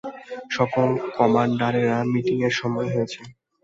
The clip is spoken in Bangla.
সকল কমান্ডারেরা, মিটিং এর সময় হয়েছে।